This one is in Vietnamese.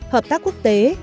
bốn hợp tác quốc tế